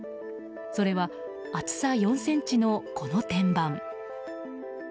それは、厚さ４ｃｍのこの天板。